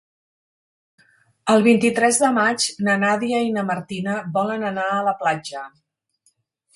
El vint-i-tres de maig na Nàdia i na Martina volen anar a la platja.